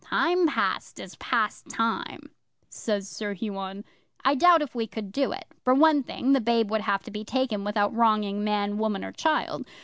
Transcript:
'"Time past is past time," says Sir Huon. "I doubt if we could do it. For one thing, the babe would have to be taken without wronging man, woman, or child.